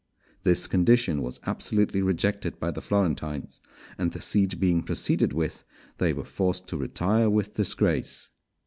This condition was absolutely rejected by the Florentines, and the siege being proceeded with, they were forced to retire with disgrace.